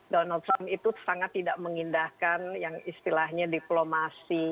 donald trump itu sangat tidak mengindahkan yang istilahnya diplomasi